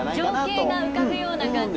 ああ情景が浮かぶような感じ。